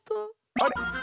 あれ？